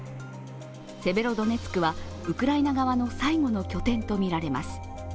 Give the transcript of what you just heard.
セベロドネツクは、ウクライナ側の最後の拠点とみられます。